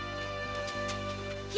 姫！